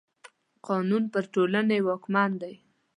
قانون پر ټولني واکمن دی.